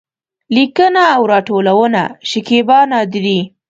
لیکنه او راټولونه: شکېبا نادري